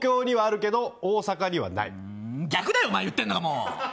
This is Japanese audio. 逆だよお前言ってるのがもう！